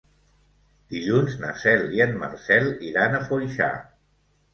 Dilluns na Cel i en Marcel iran a Foixà.